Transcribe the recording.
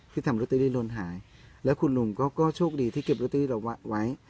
ทำลอตเตอรี่โดนหายแล้วคุณหนุ่มก็โชคดีที่เก็บลอตเตอรี่เราไว้